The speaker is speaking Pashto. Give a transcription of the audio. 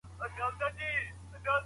زده کړه یوازي په ټولګي پوري تړلې نه ده.